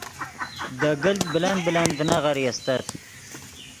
دے گلت بلند بلند ڤینغیرے استت